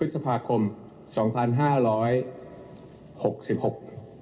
และล่างจุนตัวสินหกสิบหก